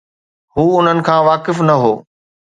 هو انهن کان واقف نه هو.